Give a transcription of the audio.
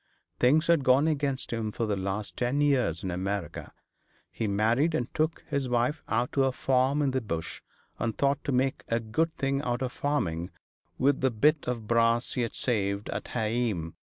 Things had gone against him for the last ten years in America. He married and took his wife out to a farm in the Bush, and thought to make a good thing out of farming with the bit of brass he'd saved at heeam.